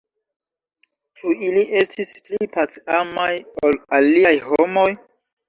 Ĉu ili estis pli pac-amaj ol aliaj homoj?